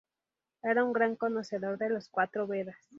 Era un gran conocedor de los cuatro "Vedas".